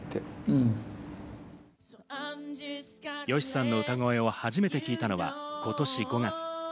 ＹＯＳＨＩさんの歌声を初めて聴いたのは今年５月。